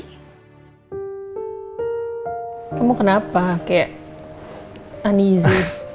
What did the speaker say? kamu kenapa kayak uneasy